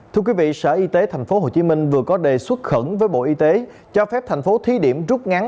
thưa quý vị sở y tế tp hcm vừa có đề xuất khẩn với bộ y tế cho phép thành phố thí điểm rút ngắn